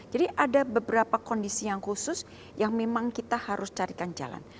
ada beberapa kondisi yang khusus yang memang kita harus carikan jalan